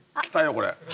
これ。